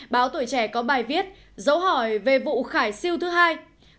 báo tuổi trẻ có bài viết dấu hỏi về vụ khải siêu thứ hai